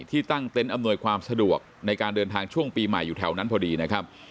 ตั้งเต็นต์อำนวยความสะดวกในการเดินทางช่วงปีใหม่อยู่แถวนั้นพอดีนะครับ